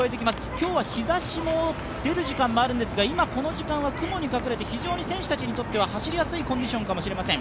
今日は日ざしも出る時間もあるんですが今、この時間は雲に隠れて非常に選手たちにとっては走りやすいコンディションかもしれません。